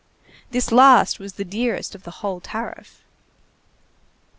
This last was the dearest of the whole tariff.